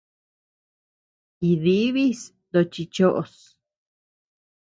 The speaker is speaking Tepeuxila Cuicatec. Jidibis toci choʼos.